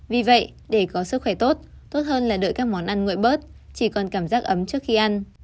vì vậy để có sức khỏe tốt tốt hơn là đợi các món ăn nguội bớt chỉ còn cảm giác ấm trước khi ăn